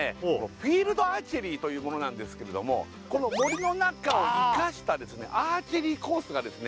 フィールドアーチェリーというものなんですけれどもこの森の中を生かしたですねアーチェリーコースがですね